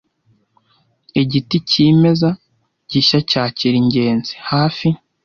Igiti cyimeza gishya cyakira ingenzi. Hafi